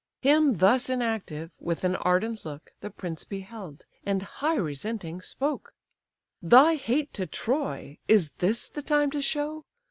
Him thus inactive, with an ardent look The prince beheld, and high resenting spoke. "Thy hate to Troy, is this the time to show?